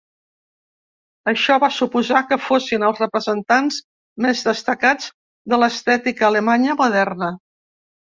Això va suposar que fossin els representants més destacats de l'estètica alemanya moderna.